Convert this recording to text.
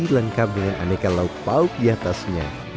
lengkap dengan aneka lauk lauk diatasnya